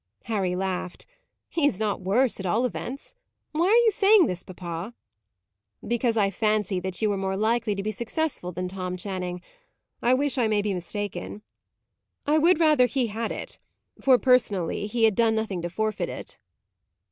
Harry laughed. "He is not worse, at all events. Why are you saying this, papa?" "Because I fancy that you are more likely to be successful than Tom Channing. I wish I may be mistaken. I would rather he had it; for, personally, he had done nothing to forfeit it."